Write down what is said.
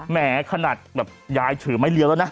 แหมขนาดแบบยายถือไม้เลี้ยวแล้วนะ